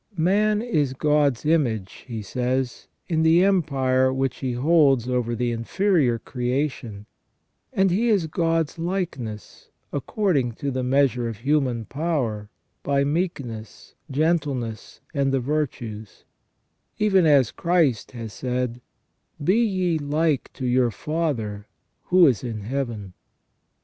Man is God's image, he says, in the empire which he holds over the inferior creation, and he is God's likeness according to the measure of human power, by meekness, gentleness, and the virtues; even as Christ has said :" Be ye like to your Father who is in Heaven